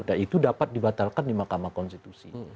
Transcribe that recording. nah itu dapat dibatalkan di mahkamah konstitusi